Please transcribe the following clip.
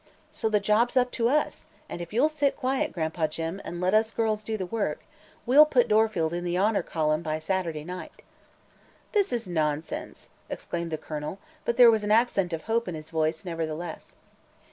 So the job's up to us, and if you'll sit quiet, Gran'pa Jim, and let us girls do the work, we'll put Dorfield in the honor column by Saturday night." "This is nonsense!" exclaimed the Colonel, but there was an accent of hope in his voice, nevertheless.